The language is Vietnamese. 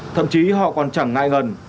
thậm chí họ còn chẳng ngại ngần